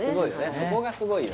そこがすごいよ